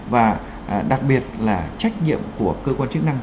và đặc biệt là trách nhiệm của cơ quan chức năng